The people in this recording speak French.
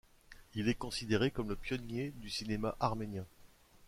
Il est considéré comme le pionnier du cinéma arménien.